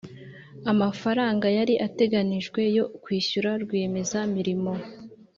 amafaranga yari ategenijwe yo kwishyura rwiyemezamirimo